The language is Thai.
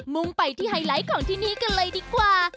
งไปที่ไฮไลท์ของที่นี่กันเลยดีกว่า